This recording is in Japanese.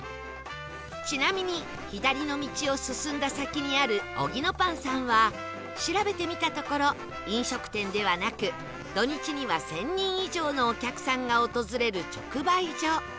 ちなみに左の道を進んだ先にあるオギノパンさんは調べてみたところ飲食店ではなく土日には１０００人以上のお客さんが訪れる直売所